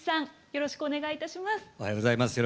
よろしくお願いします。